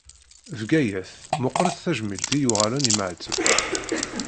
Bgayet, meqqret tejmilt i yuɣalen i Meɛtub.